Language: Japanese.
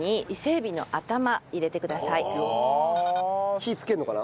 火つけるのかな？